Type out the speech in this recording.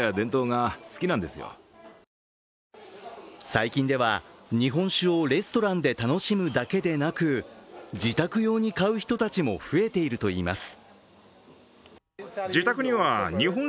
最近では日本酒をレストランで楽しむだけでなく自宅用に買う人たちも増えているといいます。